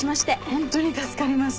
ホントに助かりました。